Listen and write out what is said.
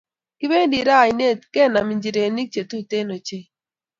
Kipendi raa oinet kanam ichirenik che Tuten ochei